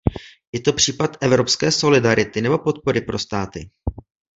Je to případ evropské solidarity nebo podpory pro státy?